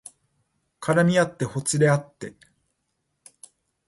絡みあってほつれあって